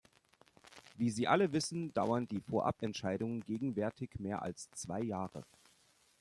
Wie Sie alle wissen, dauern die Vorabentscheidungen gegenwärtig mehr als zwei Jahre.